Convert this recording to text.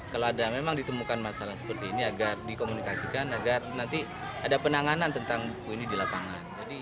kalau ada memang ditemukan masalah seperti ini agar dikomunikasikan agar nanti ada penanganan tentang buku ini di lapangan